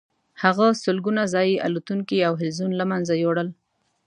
دوی سلګونه ځايي الوتونکي او حلزون له منځه یوړل.